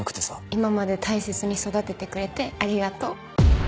今まで大切に育ててくれてありがとう。